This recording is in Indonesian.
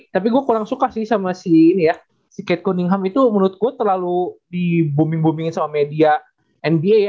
tapi gue kurang suka sih sama si kate cunningham itu menurut gue terlalu di booming boomingin sama media nba ya